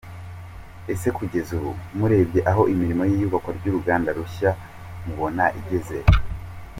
Ese kugeza ubu murebye aho imirimo y’iyubakwa ry’uruganda rushya mubona igeze he?.